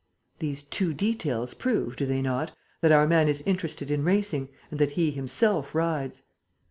These two details prove do they not? that our man is interested in racing and that he himself rides.